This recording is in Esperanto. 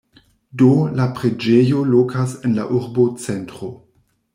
Do, la preĝejo lokas en la urbocentro.